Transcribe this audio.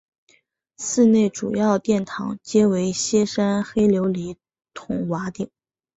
寺内主要殿堂皆为歇山黑琉璃筒瓦顶。